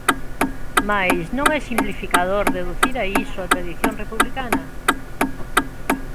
Mais, non é simplificador reducir a iso a tradición republicana?